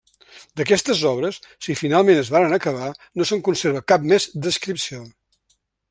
D'aquestes obres, si finalment es varen acabar, no se'n conserva cap més descripció.